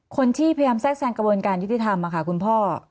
คนที่พยายามแทรกแซนกระบวนการยุทิธรรมค่ะคุณพ่อ